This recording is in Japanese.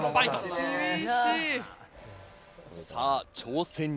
さぁ挑戦